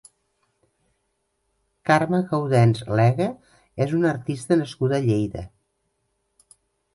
Carme Gaudens Lega és una artista nascuda a Lleida.